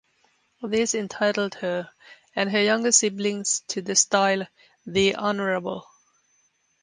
This entitled her and her younger siblings to the style "The Honourable".